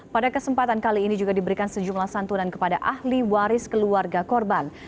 pada kesempatan kali ini juga diberikan sejumlah santunan kepada ahli waris keluarga korban